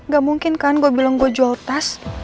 gak mungkin kan gue bilang gue jual tas